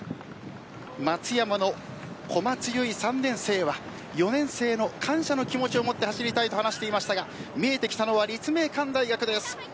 松山の小松優衣３年生は４年生への感謝の気持ちを持って走りたいと話していましたが見えてきたのは立命館大学です。